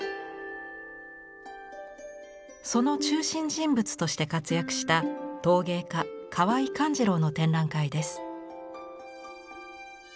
その中心人物として活躍した陶芸家河井次郎の展覧会です。